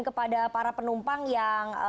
kepada para penumpang yang